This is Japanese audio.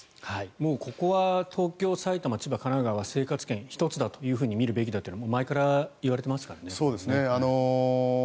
もうここは東京、埼玉、千葉、神奈川は生活圏１つだと見るべきだと前からいわれていますからね。